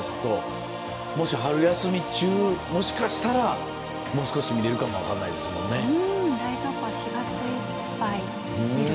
もし、春休み中もしかしたらもう少し見れるかも分からないですけどね。